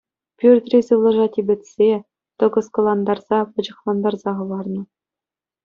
Пӳртри сывлӑша типӗтсе, тӑкӑскӑлантарса, пӑчӑхлантарса хӑварнӑ.